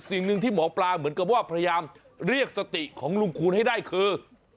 สิ่งหนึ่งที่หมอปลาเหมือนกับว่าพยายามเรียกสติของลุงคูณให้ได้คือ